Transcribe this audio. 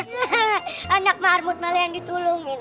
haha anak marmut malah yang ditolongin